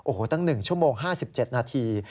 โอ้โหตั้ง๑ชั่วโมง๕๗นาที